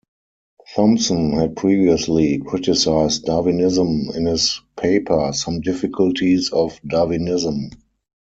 Thompson had previously criticized Darwinism in his paper "Some Difficulties of Darwinism".